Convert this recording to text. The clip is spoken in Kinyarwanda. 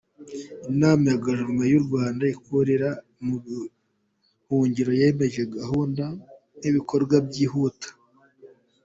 Inama ya Guverinoma y’u Rwanda ikorera mu buhungiro yemeje gahunda n’ibikorwa byihutirwa